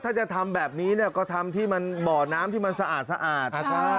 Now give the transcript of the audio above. ถ้าจะทำแบบนี้เนี่ยก็ทำที่มันบ่อน้ำที่มันสะอาด